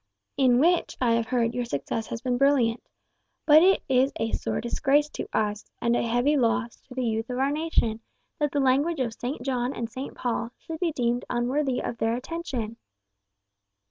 "In which, I have heard, your success has been brilliant. But it is a sore disgrace to us, and a heavy loss to the youth of our nation, that the language of St. John and St. Paul should be deemed unworthy of their attention."